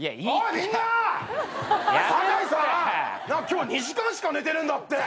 今日２時間しか寝てねえんだって！